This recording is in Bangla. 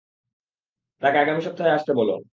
তাকে আগামী সপ্তাহে আসতে বলো।